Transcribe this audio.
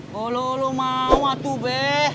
kalau lo mau atuh be